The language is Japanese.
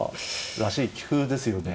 らしい棋風ですよね。